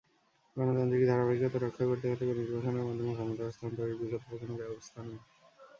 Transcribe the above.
গণতান্ত্রিক ধারাবাহিকতা রক্ষা করতে হলে নির্বাচনের মাধ্যমে ক্ষমতা হস্তান্তরের বিকল্প কোনো ব্যবস্থা নেই।